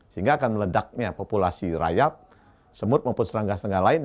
sehingga akan meledaknya populasi rayap semut maupun serangga lainnya